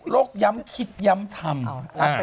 โรคย้ำคิดย้ำถำ